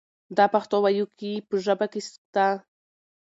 دا پښتو وييکي په ژبه کې سته.